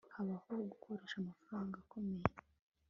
Habaho gukoresha amafaranga akomeye